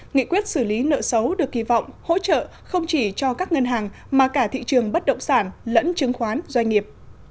nghị quyết xử lý nợ xấu được kỳ vọng hỗ trợ không chỉ cho các ngân hàng mà cả thị trường bất động sản lẫn chứng khoán doanh nghiệp